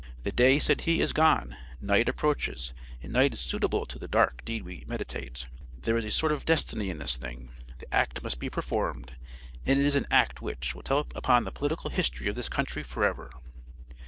The day, said he, is gone, night approaches and night is suitable to the dark deed we meditate; there is a sort of destiny in this thing, the act must be performed, and it is an act which will tell upon the political history of this country forever.